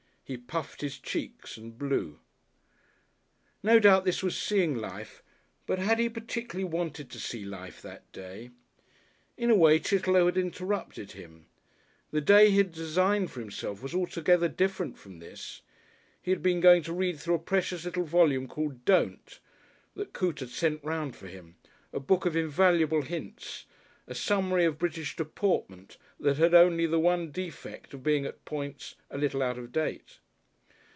He puffed his cheeks and blew. No doubt this was seeing life, but had he particularly wanted to see life that day? In a way Chitterlow had interrupted him. The day he had designed for himself was altogether different from this. He had been going to read through a precious little volume called "Don't" that Coote had sent round for him, a book of invaluable hints, a summary of British deportment that had only the one defect of being at points a little out of date.